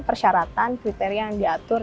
persyaratan kriteria yang diatur